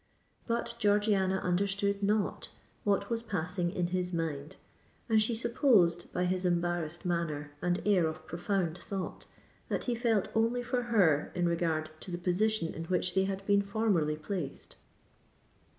But Georgiana understood not what was passing in his mind; and she supposed, by his embarrassed manner and air of profound thought, that he felt only for her in regard to the position in which they had been formerly placed.